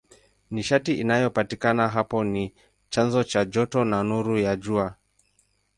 Nishati inayopatikana hapo ni chanzo cha joto na nuru ya Jua.